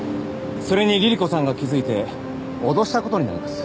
それにリリ子さんが気づいておどしたことになります